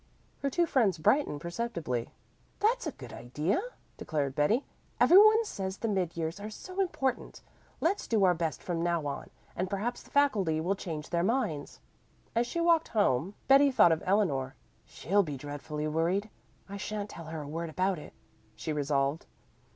Her two friends brightened perceptibly. "That's a good idea," declared Betty. "Every one says the mid years are so important. Let's do our best from now on, and perhaps the faculty will change their minds." As she walked home, Betty thought of Eleanor. "She'll be dreadfully worried. I shan't tell her a word about it," she resolved.